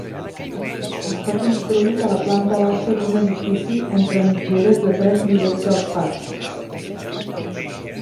Està construït a la planta baixa d'un edifici entre mitgeres de tres nivells d'alçat.